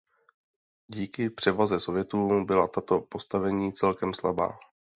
Díky převaze Sovětů byla tato postavení celkem slabá.